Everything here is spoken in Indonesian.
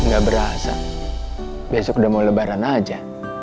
gak berasa besok udah mau lebaran aja